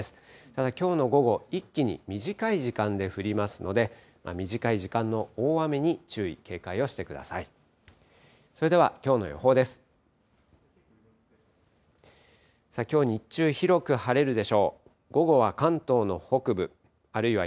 ただ、きょうの午後、一気に短い時間で降りますので、短い時間の大雨に注意、警戒をしてください。